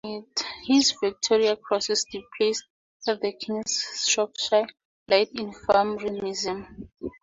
His Victoria Cross is displayed at The King's Shropshire Light Infantry Museum.